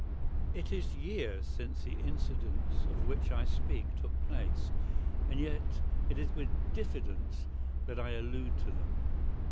IT is years since the incidents of which I speak took place, and yet it is with diffidence that I allude to them.